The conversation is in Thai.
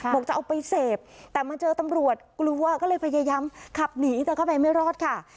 บอกจะเอาไปเสพแต่มาเจอตำรวจกลัวก็เลยพยายามขับหนีแต่เข้าไปไม่รอดค่ะ